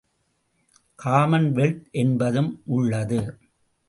Commonwealth என்பதும் உள்ளது.